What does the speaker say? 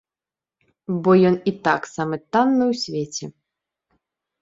Бо ён і так самы танны ў свеце.